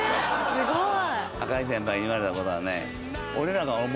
すごい！